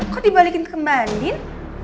kau dibalikin ke anin